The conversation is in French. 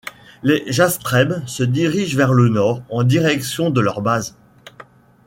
Les Jastreb se dirigent vers le Nord en direction de leur base.